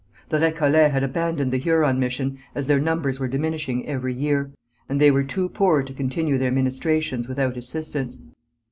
The Récollets had abandoned the Huron mission as their numbers were diminishing every year, and they were too poor to continue their ministrations without assistance.